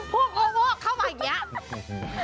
แล้วทำไมพวกเขาเข้ามาอย่างนี้